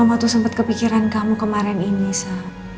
mama tuh sempet kepikiran kamu kemarin ini sa